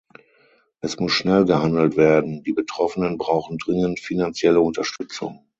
Es muss schnell gehandelt werden, die Betroffenen brauchen dringend finanzielle Unterstützung.